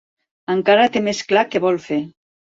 Encara té més clar què vol fer.